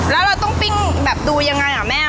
แล้วเราต้องปิ้งแบบดูยังไงอ่ะแม่